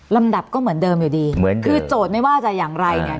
ลำดับก็เหมือนเดิมอยู่ดีเหมือนกันคือโจทย์ไม่ว่าจะอย่างไรเนี่ย